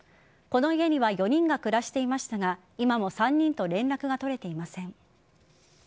この家には４人が暮らしていましたが今も３人と連絡が取れていません。